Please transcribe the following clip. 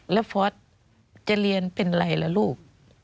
แล้วฟอร์สจะเรียนเป็นไรล่ะลูก